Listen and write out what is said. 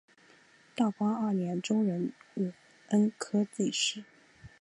道光二年中壬午恩科进士。